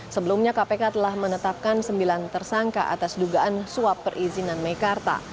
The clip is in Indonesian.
sebelumnya kpk telah menetapkan sembilan tersangka atas dugaan suap perizinan mekarta